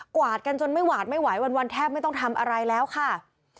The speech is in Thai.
วาดกันจนไม่หวาดไม่ไหววันแทบไม่ต้องทำอะไรแล้วค่ะ